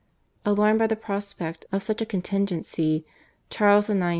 Alarmed by the prospect of such a contingency Charles IX.